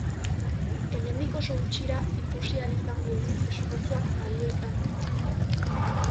Hemendik oso gutxira ikusi ahal izango dugu esfortzuak balio izan duen.